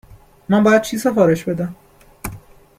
من باید چی سفارش بدم ؟